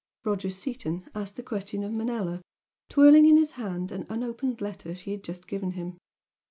Roger Seaton asked the question of Manella, twirling in his hand an unopened letter she had just given him.